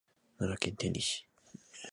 奈良県天理市